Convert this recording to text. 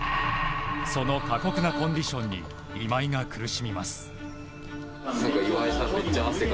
その過酷なコンディションに今井が苦しみます。